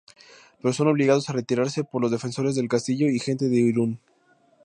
Pero son obligados a retirarse por los defensores del castillo y gente de Irún.